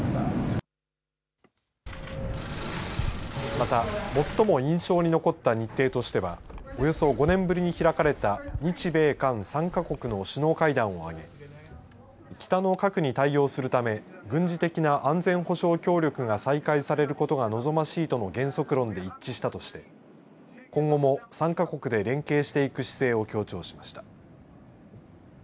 また最も印象に残った日程としてはおよそ５年ぶりに開かれた日米韓３か国の首脳会談を挙げ北の核に対応するため軍事的な安全保障協力が再開されることが望ましいとの原則論で一致したとして今後も３か国で連携していく姿勢を強調しました。